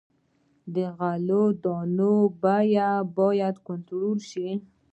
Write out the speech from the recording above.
د غلو دانو بیه باید کنټرول شي.